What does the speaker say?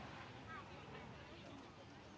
สวัสดีครับทุกคน